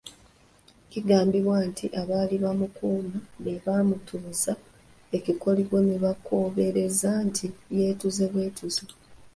Kigambibwa nti abaali bamukuuma be bamutuza ekikoligo ne beekobereza nti yeetuze bwetuzi.